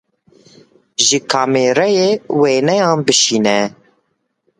Ji kamerayê wêneyan bişîne.